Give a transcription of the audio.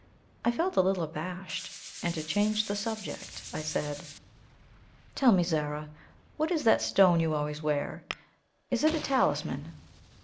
I felt a little abashed, and, to change the subject, I said: "Tell me, Zara, what is that stone you always wear? Is it a talisman?"